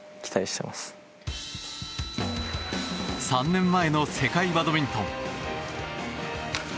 ３年前の世界バドミントン。